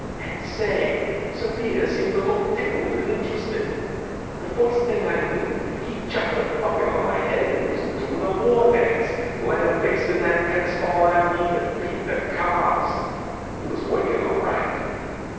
And say, Sir Peter seemed to look tickled and interested. The first thing I knew he'd chucked the bucket on my head and was doin' a war dance, lambastin' that tennis ball at me to beat the cars. It was working, all right.